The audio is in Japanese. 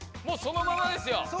もうそのままですよ。